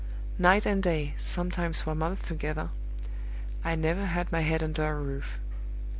Night and day, sometimes for months together, I never had my head under a roof.